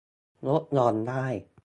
ลดหย่อนได้